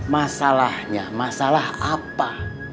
masalahnya masalah apa